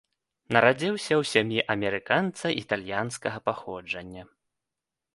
Нарадзіўся ў сям'і амерыканца італьянскага паходжання.